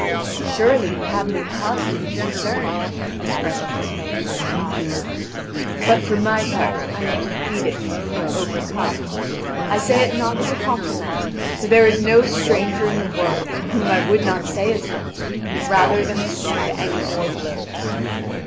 "Surely, you have no cause to be concerned." his friend and companion replies; "but for my part, I am defeated and overcome; I say it not as a compliment; for there is no stranger in the world, to whom I would not say as much, rather than receive any more blows."